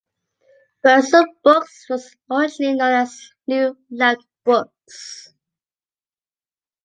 Verso Books was originally known as New Left Books.